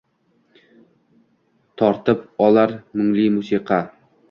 Tortib olar mungli musiqa.